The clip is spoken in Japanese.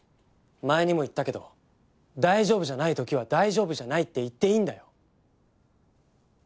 前にも言ったけど大丈夫じゃない時は大丈夫じゃないって言っていいんだよ。